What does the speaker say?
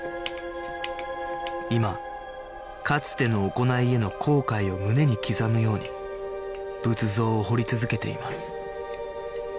今かつての行いへの後悔を胸に刻むように仏像を彫り続けています